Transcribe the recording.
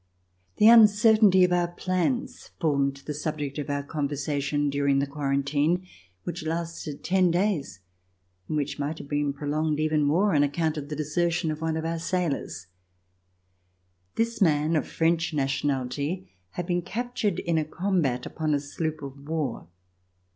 The uncertainty of our plans formed the subject of our conversation during the quarantine which lasted ten days and which might have been prolonged even more on account of the desertion of one of our sailors. This man, of French nationality, had been captured in a combat upon a sloop of war.